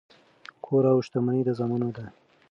کور او شتمني د زامنو ده.